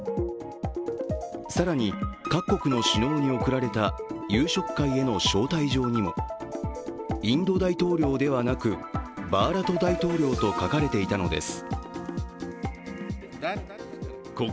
更に、各国の首脳に送られた夕食会への招待状にもインド大統領ではなくバーラト大統領と書かれていたのです。